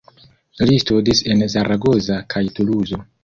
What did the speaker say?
Li studis en Zaragoza kaj Tuluzo.